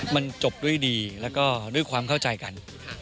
มันจบด้วยดีแล้วก็ด้วยความเข้าใจกัน